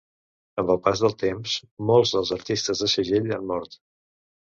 Amb el pas del temps, molts dels artistes del segell han mort.